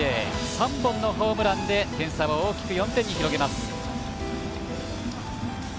３本のホームランで点差を大きく４点に広げます。